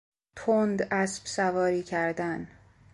تند اسب سواری کردن